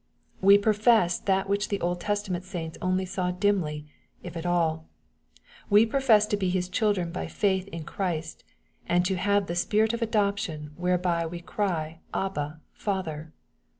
We profess that which the Old Testament saints only saw dimly, if at all, — ^we profess to be His children by faith in Christ, and to have " the Spirit of adoption whereby we cry, Abba, Father."